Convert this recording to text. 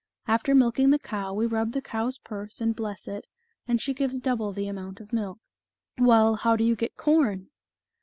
After milking the cow, we rub the cow's purse and bless it, and she gives double the amount of milk." " Well, how do you get corn